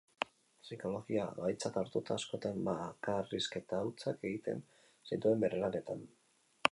Psikologia gaitzat hartuta, askotan bakarrizketa hutsak egiten zituen bere lanetan.